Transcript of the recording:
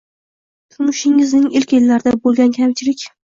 Turmushingizning ilk yillarida bo‘lgan kamchilik